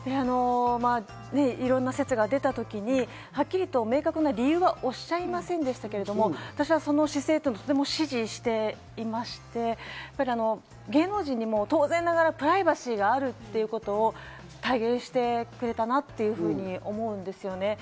いろんな説が出た時にはっきりと明確な理由はおっしゃいませんでしたけれども、私はその姿勢をとても支持していまして、芸能人にも当然ながらプライバシーがあるということを体現してくれたなというふうに思うんですよね。